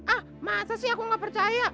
ah masa sih aku gak percaya